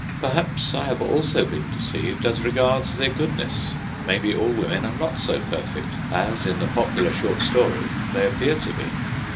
Perhaps I have also been deceived as regards their goodness. Maybe all women are not so perfect as in the popular short story they appear to be.